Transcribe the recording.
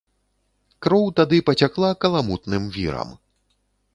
Кроў тады пацякла каламутным вірам.